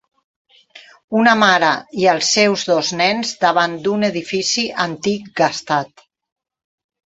Una mare i els seus dos nens davant d'un edifici antic gastat